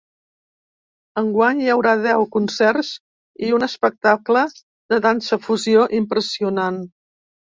Enguany hi haurà deu concerts i un espectacle de dansa-fusió impressionant.